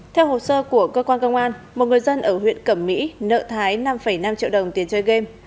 theo hồ sơ của cơ quan công an một người dân ở huyện cẩm mỹ nợ thái năm năm triệu đồng tiền chơi game